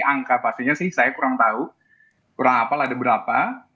angka pastinya sih saya kurang tahu kurang hafal ada berapa